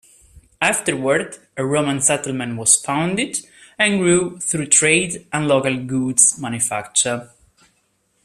Afterward a Roman settlement was founded and grew through trade and local goods manufacture.